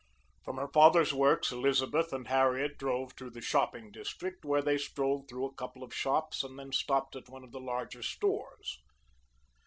From her father's works Elizabeth and Harriet drove to the shopping district, where they strolled through a couple of shops and then stopped at one of the larger stores.